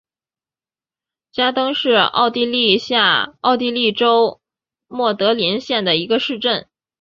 加登是奥地利下奥地利州默德林县的一个市镇。